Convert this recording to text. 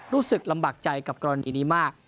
รู้สึกลำบากใจกับกรณีนี้มาก